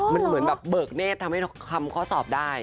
มันเหมือนแบบเบิกเนธทำให้คำข้อสอบได้